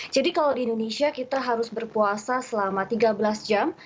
jadi kalau di inggris kita harus berpuasa selama tiga belas jam